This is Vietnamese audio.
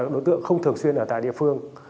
đối tượng không thường xuyên ở tại địa phương